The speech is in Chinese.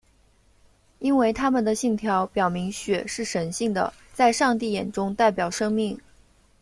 因为他们的信条表明血是神性的在上帝眼中代表生命。